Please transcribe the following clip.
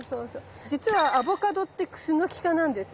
じつはアボカドってクスノキ科なんです。